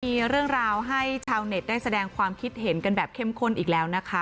มีเรื่องราวให้ชาวเน็ตได้แสดงความคิดเห็นกันแบบเข้มข้นอีกแล้วนะคะ